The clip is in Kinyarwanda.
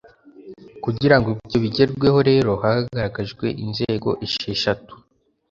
kugirango ibyo bigerweho rero, hagaragajwe inzego esheshatu